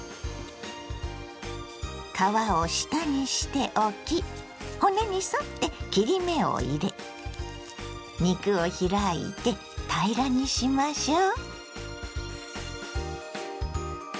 皮を下にして置き骨に沿って切り目を入れ肉を開いて平らにしましょう。